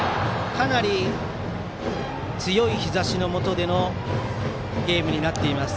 かなり強い日ざしのもとでのゲームになっています。